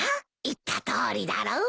言ったとおりだろう？